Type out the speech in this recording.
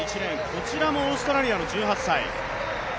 こちらもオーストラリアの１８歳。